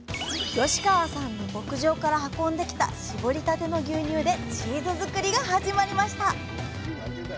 吉川さんの牧場から運んできた搾りたての牛乳でチーズ作りが始まりました。